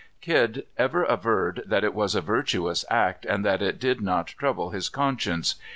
Kidd ever averred that it was a virtuous act, and that it did not trouble his conscience.